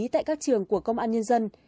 tại các trường của công an nhân dân